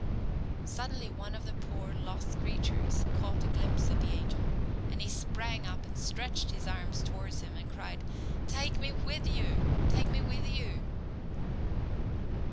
Suddenly one of the poor lost creatures caught a glimpse of the angel, and he sprang up and stretched his arms towards him and cried: "Take me with you! Take me with you!"